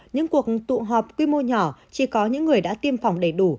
những cuộc tụ họp quy mô nhỏ chỉ có những người đã tiêm phòng đầy đủ